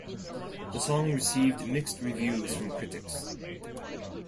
The song received mixed reviews from critics.